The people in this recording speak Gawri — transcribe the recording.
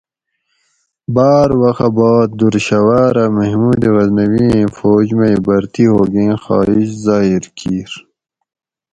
باۤر وخہ باد دُر شھوارہ محمود غزنویٔیں فوج مئ بھرتی ھوگیں خواہش ظاہر کیِر